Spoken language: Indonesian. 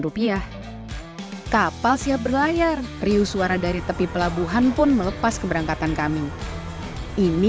rupiah kapal siap berlayar riu suara dari tepi pelabuhan pun melepas keberangkatan kami ini